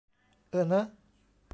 เออเนอะ